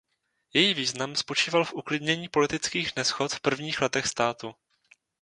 Její význam spočíval v uklidnění politických neshod v prvních letech státu.